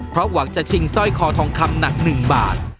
เพราะหวังจะชิงสร้อยคอทองคำหนัก๑บาท